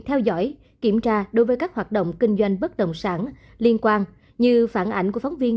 theo dõi kiểm tra đối với các hoạt động kinh doanh bất đồng sản liên quan như phản ảnh của phóng viên